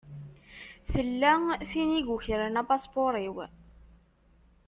Tella tin i yukren apaspuṛ-iw.